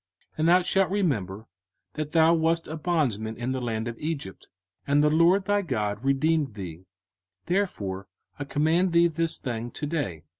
05:015:015 And thou shalt remember that thou wast a bondman in the land of Egypt, and the LORD thy God redeemed thee: therefore I command thee this thing to day.